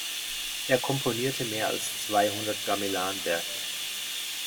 Er komponierte mehr als zweihundert Gamelan-Werke.